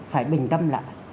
phải bình tâm lại